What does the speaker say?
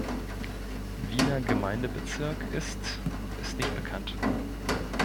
Wiener Gemeindebezirk ist, ist nicht bekannt.